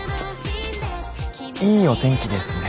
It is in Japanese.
いいお天気ですね。